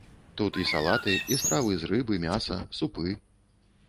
Тут і салаты, і стравы з рыбы, мяса, супы.